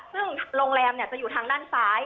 ซึ่งโรงแรมจะอยู่ทางด้านซ้าย